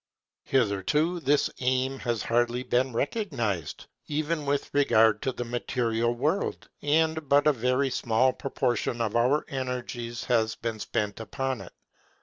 Hitherto this aim has hardly been recognized, even with regard to the material world, and but a very small proportion of our energies has been spent upon it.